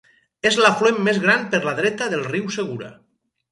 És l'afluent més gran per la dreta del riu Segura.